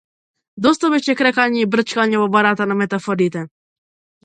Доста беше крекање и брчкање во барата на метафорите.